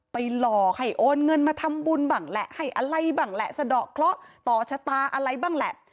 หลอกให้โอนเงินมาทำบุญบ้างแหละให้อะไรบ้างแหละสะดอกเคราะห์ต่อชะตาอะไรบ้างแหละ